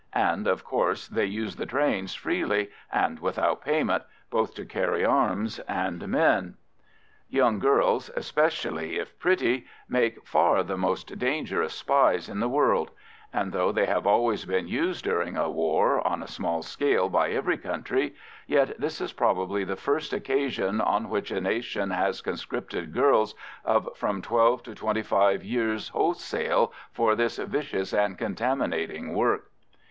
And, of course, they used the trains freely, and without payment, both to carry arms and men. Young girls, especially if pretty, make far the most dangerous spies in the world; and though they have always been used during a war on a small scale by every country, yet this is probably the first occasion on which a nation has conscripted girls of from twelve to twenty five years wholesale for this vicious and contaminating work.